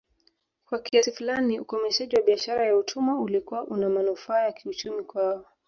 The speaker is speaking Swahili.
Kwa kiasi fulani ukomeshaji wa biashara ya utumwa ulikuwa unamanufaa ya kiuchumi kwao